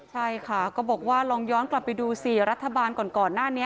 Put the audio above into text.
ใช่ค่ะก็บอกว่าลองย้อนกลับไปดูสิรัฐบาลก่อนหน้านี้